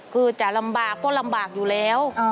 คือจะลำบากก็ลำบากอยู่แล้ว